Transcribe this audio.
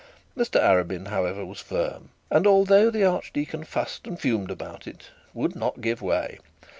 Mr Arabin, however, was firm, and, although the archdeacon fussed and fumed about it, would not give way.